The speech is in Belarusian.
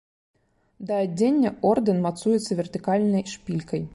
Да адзення ордэн мацуецца вертыкальнай шпількай.